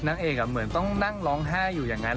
นางเอกเหมือนต้องนั่งร้องไห้อยู่อย่างนั้น